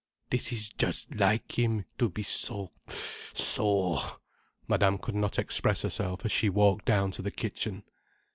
"This is just like him, to be so—so—" Madame could not express herself as she walked down to the kitchen.